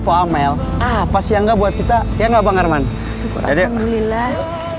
tuamel apa sih yang gak buat kita ya enggak bang harman ya udah mulilah